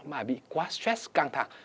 mà bị quá stress căng thẳng